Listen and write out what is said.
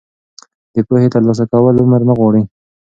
د پوهې ترلاسه کول عمر نه غواړي.